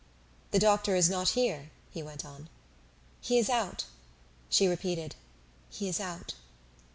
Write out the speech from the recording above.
"The doctor is not here?" he went on. "He is out." She repeated, "He is out."